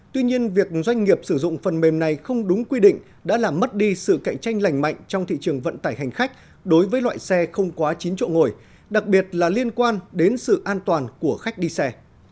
tuy nhiên việc doanh nghiệp sử dụng phần mềm này không đúng quy định đã làm mất đi sự cạnh tranh lành mạnh trong thị trường vận tải hành khách đối với loại xe không quá chín chỗ ngồi đặc biệt là liên quan đến sự an toàn của khách đi xe